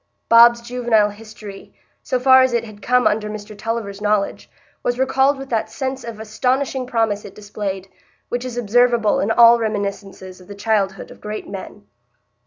Bob's juvenile history, so far as it had come under Mr Tulliver's knowledge, was recalled with that sense of astonishing promise it displayed, which is observable in all reminiscences of the childhood of great men.